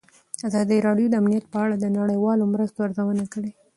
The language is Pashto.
ازادي راډیو د امنیت په اړه د نړیوالو مرستو ارزونه کړې.